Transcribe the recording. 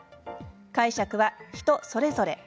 解釈は人それぞれ。